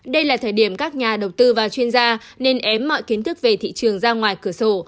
đây là thời điểm các nhà đầu tư và chuyên gia nên ém mọi kiến thức về thị trường ra ngoài cửa sổ